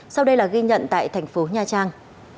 sau đây là ghi nhận tại thành phố nha trang